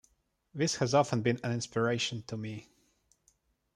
This has often been an inspiration to me.